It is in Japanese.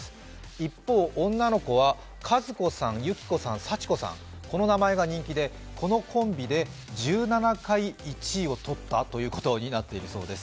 一方、女の子は和子さん、ゆきこさん、さちこさん、この名前が人気でこのコンビで１７回１位をとったということになっているそうです。